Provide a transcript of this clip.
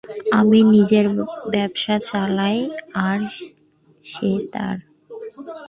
আমি নিজের ব্যবসা চালাই আর সে তার।